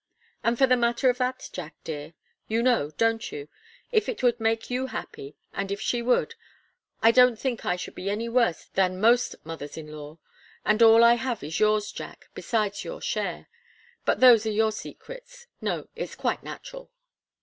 And for the matter of that, Jack dear you know, don't you? If it would make you happy, and if she would I don't think I should be any worse than most mothers in law and all I have is yours, Jack, besides your share. But those are your secrets no, it's quite natural."